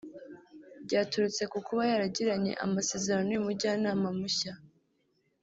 byaturutse ku kuba yaragiranye amasezerano n’uyu mujyanama mushya